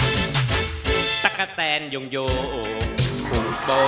ไม่มีเจอกันนะครับ